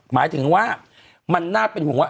หมายถึงว่ามันน่าเป็นห่วงว่า